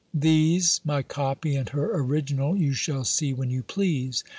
These, my copy, and her original, you shall see when you please.